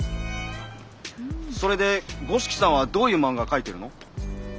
それで五色さんはどういう漫画描いてるの？